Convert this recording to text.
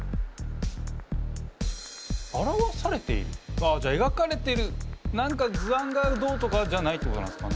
あっじゃあ描かれてる何か図案がどうとかじゃないってことなんですかね。